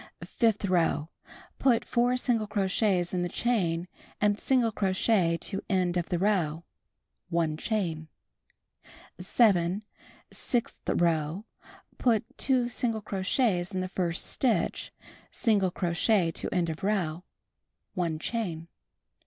Fifth row: Put 4 single crochets in the chain, and single crochet to end of the row. 1 chain. 7. Sixth row: Put 2 single crochets in the first stitch; single crochet to end of row. 1 chain.